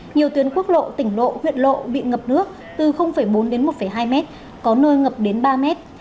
nhiều tuyến quốc lộ tỉnh lộ huyện lộ bị ngập nước từ bốn đến một hai mét có nơi ngập đến ba mét